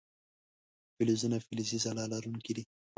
فلزونه فلزي ځلا لرونکي دي.